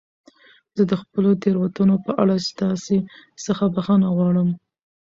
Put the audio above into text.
زه د خپلو تېروتنو په اړه ستاسي څخه بخښنه غواړم.